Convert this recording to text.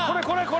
これ！